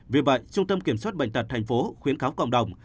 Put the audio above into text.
vì vậy trung tâm kiểm soát bệnh tật thành phố khuyến kháo cộng đồng